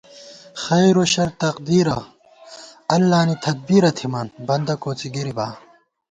خیروشر تقدیرہ اللہ نی تدبیرہ تھِمان بندہ کوڅی گِرِبا